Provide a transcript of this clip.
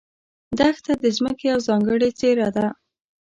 دښته د ځمکې یوه ځانګړې څېره ده.